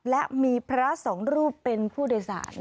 และมีพระสองรูปเป็นผู้โดยสาร